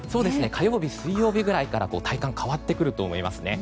火曜日、水曜日ぐらいから体感変わってくると思います。